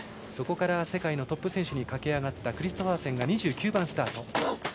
そこから世界のトップ選手に駆け上がったクリストファーセンが２９番スタート。